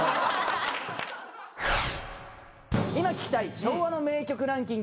今聴きたい昭和の名曲ランキング